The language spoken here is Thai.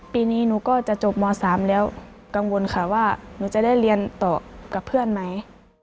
ปีนี้หนูก็จะจบม๓แล้วกังวลค่ะว่าหนูจะได้เรียนต่อกับเพื่อนไหม